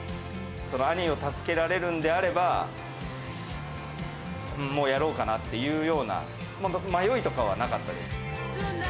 兄を助けられるんであれば、もうやろうかなっていうような、本当、迷いとかはなかったです。